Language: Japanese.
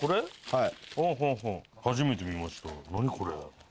はい。